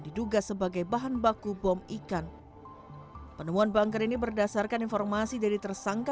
diduga sebagai bahan baku bom ikan penemuan bangker ini berdasarkan informasi dari tersangka